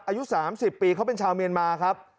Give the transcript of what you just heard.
อายุ๓๐ปีเขาเป็นชาวเมียนมาครับ